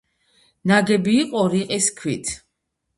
ნაგები იყო რიყის ქვით.